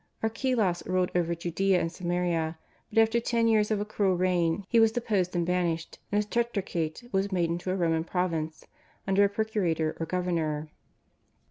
Archelaus ruled over Judea and Samaria, but after ten years of a cruel reign he was deposed and banished and his tetrarchate was made into a Roman province under a procurator or governor.